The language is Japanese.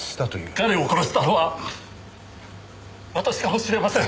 彼を殺したのは私かもしれません。